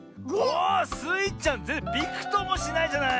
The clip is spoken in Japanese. おスイちゃんびくともしないじゃない！